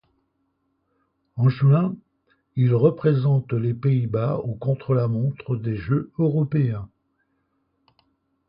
En juin, il représente les Pays-Bas au contre-la-montre des Jeux européens.